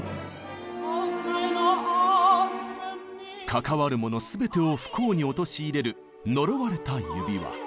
関わる者全てを不幸に陥れる呪われた「指環」。